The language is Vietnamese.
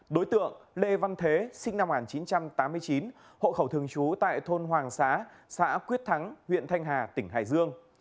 đối tượng lê văn thế sinh năm một nghìn chín trăm tám mươi chín hộ khẩu thường trú tại thôn hoàng xá xã quyết thắng huyện thanh hà tỉnh hải dương